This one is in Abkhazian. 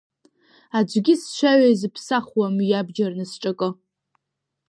Аӡәгьы сцәаҩа изыԥсахуам иабџьар насҿакы…